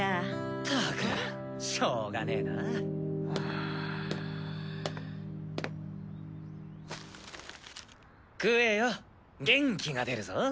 ったくしようがねえな。食えよ元気が出るぞ。